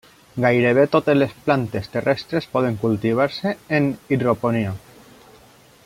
Gairebé totes les plantes terrestres poden cultivar-se en hidroponia.